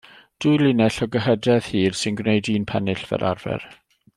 Dwy linell o gyhydedd hir sy'n gwneud un pennill fel arfer.